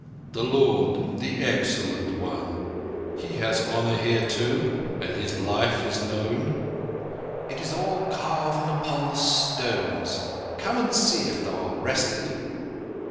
The Lord—the Excellent One—He has honour here too? And His life is known?" "It is all carven upon the stones. Come and see, if thou art rested."